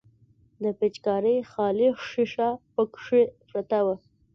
د پيچکارۍ خالي ښيښه پکښې پرته وه.